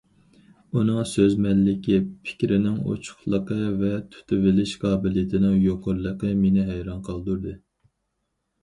ئۇنىڭ سۆزمەنلىكى، پىكرىنىڭ ئوچۇقلۇقى ۋە تۇتۇۋېلىش قابىلىيىتىنىڭ يۇقىرىلىقى مېنى ھەيران قالدۇردى.